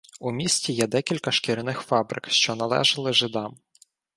У місті є декілька шкіряних фабрик, що належали жидам.